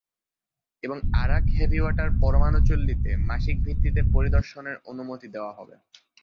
এবং Arak heavy water পরমাণু চুল্লিতে মাসিক ভিত্তিতে পরিদর্শনের অনুমতি দেওয়া হবে।